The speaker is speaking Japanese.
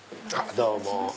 どうも。